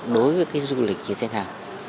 đối với cái du lịch như thế nào